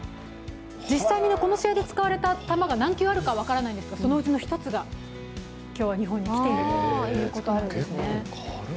実際にこの試合で使われた球が何球あるか分からないんですがそのうちの１つが、今日は日本にきているということなんですね。